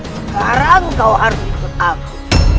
sekarang kau harus ikut aku